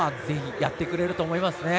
やってくれると思いますね。